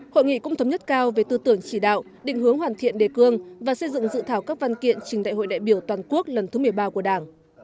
hội nghị cũng thống nhất cao về tư tưởng chỉ đạo định hướng hoàn thiện đề cương và xây dựng dự thảo các văn kiện trình đại hội đại biểu toàn quốc lần thứ một mươi ba của đảng